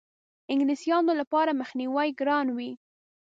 انګلیسیانو لپاره یې مخنیوی ګران وي.